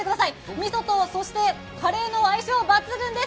味噌と、そして、カレーの相性抜群です！